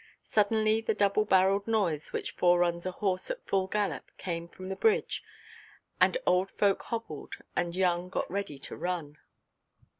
Suddenly the double–barrelled noise which foreruns a horse at full gallop came from the bridge, and old folk hobbled, and young got ready to run.